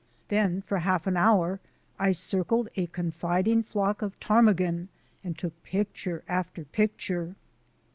Then for half an hour I circled a con fiding flock of ptarmigan and took picture after picture.